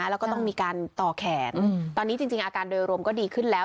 แล้วก็ต้องมีการต่อแขนตอนนี้จริงอาการโดยรวมก็ดีขึ้นแล้ว